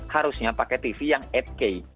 harusnya pakai tv yang delapan k